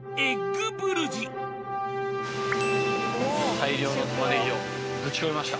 大量のタマネギをぶち込みました。